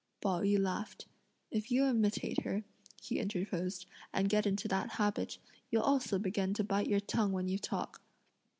Pao yü laughed. "If you imitate her," he interposed, "and get into that habit, you'll also begin to bite your tongue when you talk."